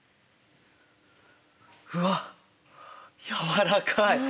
うわっ柔らかい！